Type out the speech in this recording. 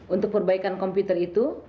untuk perbaikan komputer itu